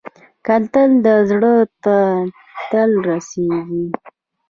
کتل د زړه تل ته رسېږي